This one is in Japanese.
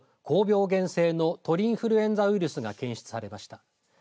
高病原性の鳥インフルエンザウイルスが検出されました。